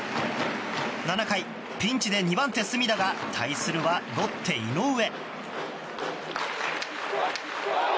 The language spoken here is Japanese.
７回、ピンチで２番手、隅田が対するはロッテ井上。